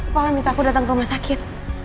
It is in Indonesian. apalagi minta aku datang ke rumah sakit